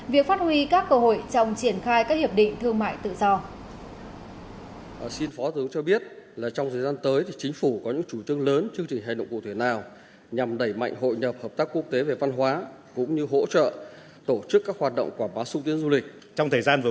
việc phát huy các cơ hội trong triển khai các hiệp định thương mại tự do